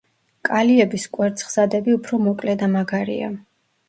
კალიების კვერცხსადები უფრო მოკლე და მაგარია.